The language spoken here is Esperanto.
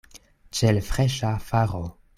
Ĉe l' freŝa faro.